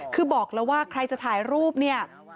คือบอกแล้วว่าใครจะถ่ายรูปเนี่ย